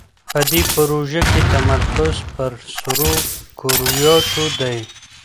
په دې پروژه کې تمرکز پر سرو کرویاتو دی.